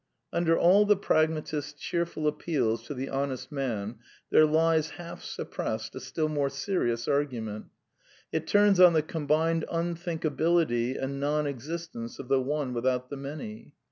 Under all the pragmatist's cheerful appeals to the honest man there lies, half suppressed, a still more serious argu ment It turns on the combined unthinkability and non existence of the One without the Many.